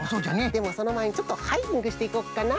でもそのまえにちょっとハイキングしていこっかな。